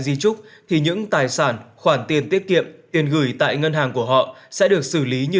di trúc thì những tài sản khoản tiền tiết kiệm tiền gửi tại ngân hàng của họ sẽ được xử lý như